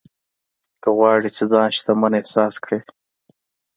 که غواړې چې ځان شتمن احساس کړې.